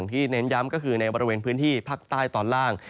เน้นย้ำก็คือในบริเวณพื้นที่ภาคใต้ตอนล่าง